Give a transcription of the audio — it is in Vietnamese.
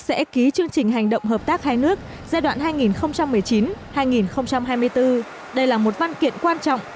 sẽ ký chương trình hành động hợp tác hai nước giai đoạn hai nghìn một mươi chín hai nghìn hai mươi bốn đây là một văn kiện quan trọng